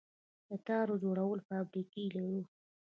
د تار جوړولو فابریکې لرو؟